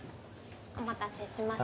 お待たせしました。